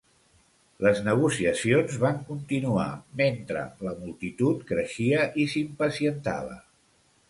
Les negociacions van continuar mentre la multitud creixia i s'impacientava.